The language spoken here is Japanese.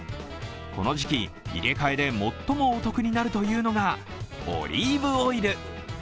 この時期、入れ替えで最もお得になるというのがオリーブオイル。